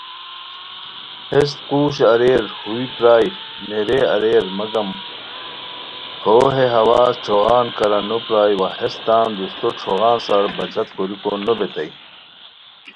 ہیس قوشت اریر، ہوئے پرائے، نیرے اریرمگم ہو ہے ہواز ہے چھوغان کارا نو پرائے وا ہیس تان دوستو ݯھوغان سار بچت کوریکو نوبیتائے